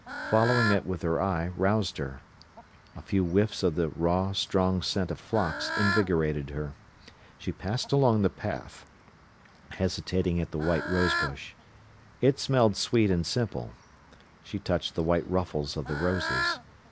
Following it with her eye roused her. A few whiffs of the raw, strong scent of phlox invigorated her. She passed along the path, hesitating at the white rose bush. It smelled sweet and simple. She touched the white ruffles of the roses.